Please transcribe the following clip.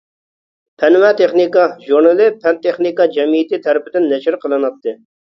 «پەن ۋە تېخنىكا» ژۇرنىلى پەن-تېخنىكا جەمئىيىتى تەرىپىدىن نەشر قىلىناتتى.